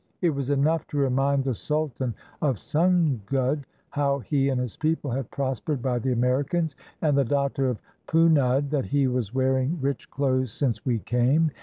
It was enough to remind the sultan of Sungud how he and his people had prospered by the Americans, and the datto of Punud that he was wearing 557 ISLANDS OF THE PACIFIC rich clothes since we came.